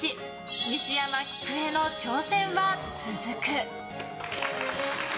西山喜久恵の挑戦は続く。